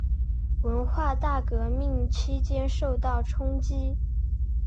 文化大革命期间受到冲击。